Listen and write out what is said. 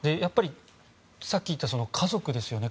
さっき言ったように家族ですよね。